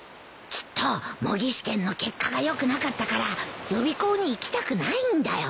きっと模擬試験の結果が良くなかったから予備校に行きたくないんだよ。